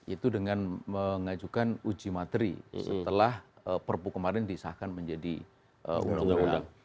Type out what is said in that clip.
itu dengan mengajukan uji materi setelah perpu kemarin disahkan menjadi undang undang